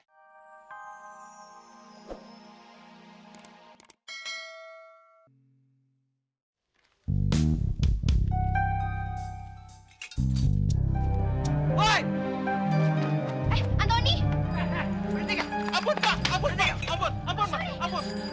ampun pak ampun pak ampun pak ampun pak ampun